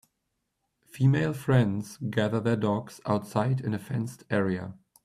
Female friends gather their dogs outside in a fenced area.